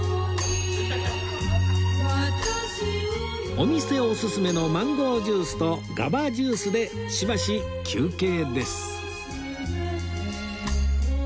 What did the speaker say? お店オススメのマンゴージュースとグァバジュースでしばし休憩です